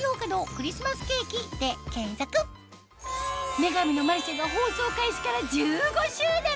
『女神のマルシェ』が放送開始から１５周年！